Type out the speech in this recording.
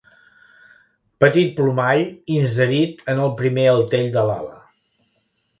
Petit plomall inserit en el primer artell de l'ala.